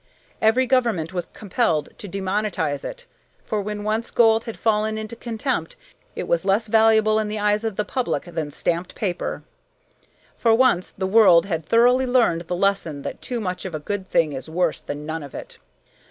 Every government was compelled to demonetize it, for when once gold had fallen into contempt it was less valuable in the eyes of the public than stamped paper. For once the world had thoroughly learned the lesson that too much of a good thing is worse than none of it.